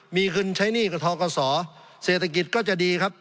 มีคุณใช้หนี้กับทองกระส่อเศรษฐกิจก็จะดีครับ